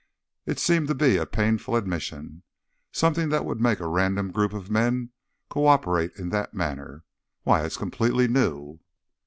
It seemed to be a painful admission. "Something that would make a random group of men co operate in that manner—why, it's completely new."